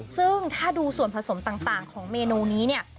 ซึ่งถ้าดูส่วนผสมต่างของเมนูนี้เนี่ย